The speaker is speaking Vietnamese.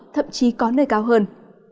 thậm chí có nơi cao hơn